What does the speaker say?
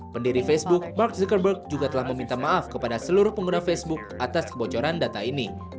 pendiri facebook mark zuckerberg juga telah meminta maaf kepada seluruh pengguna facebook atas kebocoran data ini